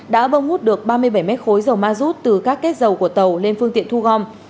đã bơm hút được ba mươi bảy mét khối dầu ma rút từ các kết dầu của tàu lên phương tiện thu gom